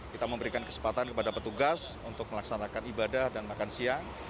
kita memberikan kesempatan kepada petugas untuk melaksanakan ibadah dan makan siang